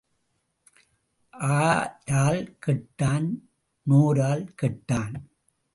ஆரால் கெட்டான் நோரால் கெட்டான்.